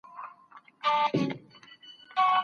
هغه مواد چي سم تنظیم سوي وي ژر پایله ورکوي.